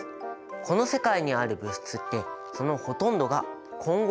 この世界にある物質ってそのほとんどが混合物。